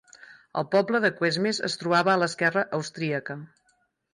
El poble de Cuesmes es trobava a l'esquerra austríaca.